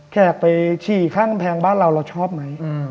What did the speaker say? แขกไปฉี่ข้างกำแพงบ้านเราเราชอบไหม